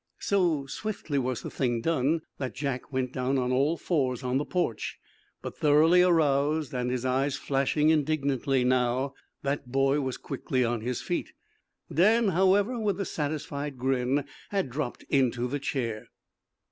So swiftly was the thing done that Jack went down on all fours on the porch. But, thoroughly aroused, and his eyes flashing indignantly now, that boy was quickly on his feet. Dan, however, with a satisfied grin, had dropped into the chair.